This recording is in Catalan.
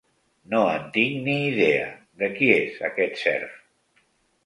No en tinc ni idea, de qui és aquest serf.